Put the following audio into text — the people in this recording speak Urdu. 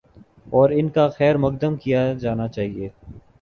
اور ان کا خیر مقدم کیا جانا چاہیے۔